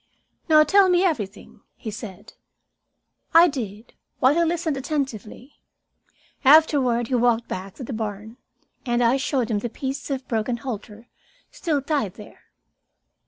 "Now tell me about everything," he said. I did, while he listened attentively. Afterward we walked back to the barn, and I showed him the piece of broken halter still tied there.